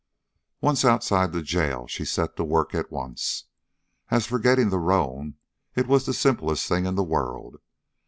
Once outside the jail, she set to work at once. As for getting the roan, it was the simplest thing in the world.